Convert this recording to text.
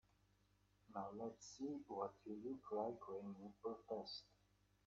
Now let's see what you look like when you protest.